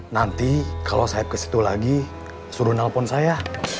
nanti kalau saya ke situ lagi suruh nelpon saya